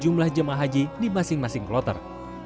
setelah jumlah jemaah haji di masing masing kelotor